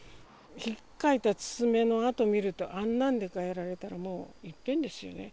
ひっかいた爪の跡見ると、あんなんでやられたらもういっぺんですよね。